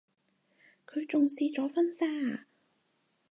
佢仲試咗婚紗啊